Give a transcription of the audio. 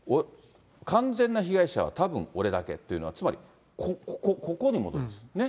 完全な被害者は、たぶん俺だけっていうのは、つまりここ、ここに戻るんです。